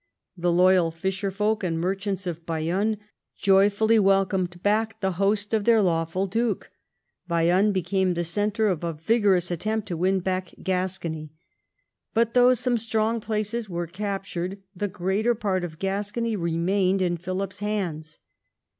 The loyal fisherfolk and merchants of Bayonne joyfully welcomed back the host of their lawful duke. Bayonne became the centre of a vigorous attempt to win back Gascony ; but though some strong places were captured, the greater part of Gascony re mained in Philip's hands.